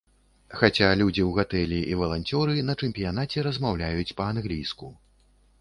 Хаця людзі ў гатэлі і валанцёры на чэмпіянаце размаўляюць па-англійску.